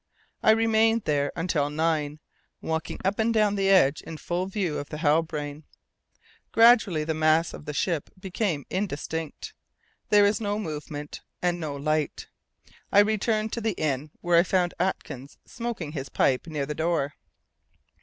I remained there until nine, walking up and down the edge in full view of the Halbrane. Gradually the mass of the ship became indistinct, there was no movement and no light. I returned to the inn, where I found Atkins smoking his pipe near the door.